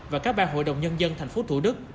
và các ba hội đồng nhân dân thành phố thủ đức